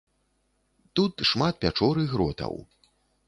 Тут шмат пячор і гротаў.